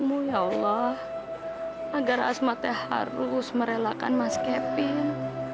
petunjukmu ya allah agar asma teh harus merelakan mas kevin